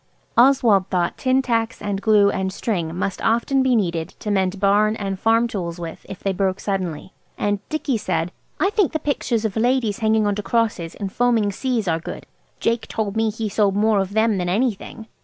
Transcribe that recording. Oswald thought tin tacks, and glue, and string must often be needed to mend barns and farm tools with if they broke suddenly. And Dicky said– "I think the pictures of ladies hanging on to crosses in foaming seas are good. Jake told me he sold more of them than anything.